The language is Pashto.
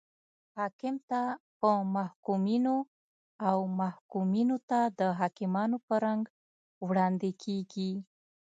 حاکم ته په محکومینو او محکومینو ته د حاکمانو په رنګ وړاندې کیږي.